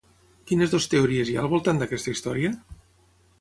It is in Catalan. Quines dues teories hi ha al voltant d'aquesta història?